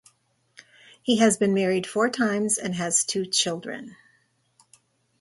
He has been married four times and has two children.